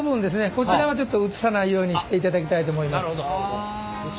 こちらはちょっと映さないようにしていただきたいと思います。